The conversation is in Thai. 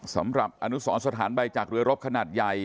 สำหรับอนุสรสถานใบจากเรือรบขนาดใหญ่